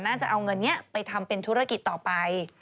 จะเอาเงินนี้ไปทำเป็นธุรกิจต่อไป